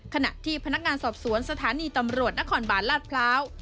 ขณะที่พนักงานสอบสวนสถานีตำรวจนครบาลลาดพร้าว